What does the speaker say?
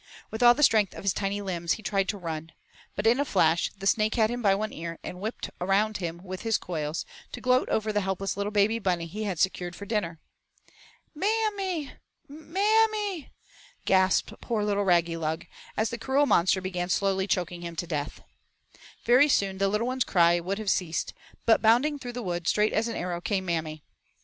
With all the strength of his tiny limbs he tried to run. But in a flash the Snake had him by one ear and whipped around him with his coils to gloat over the helpless little baby bunny he had secured for dinner. "Mam my Mam my," gasped poor little Raggylug as the cruel monster began slowly choking him to death. Very soon the little one's cry would have ceased, but bounding through the woods straight as an arrow came Mammy.